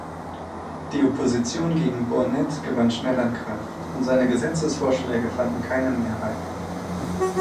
Die Opposition gegen Burnett gewann schnell an Kraft, und seine Gesetzesvorschläge fanden keine Mehrheiten.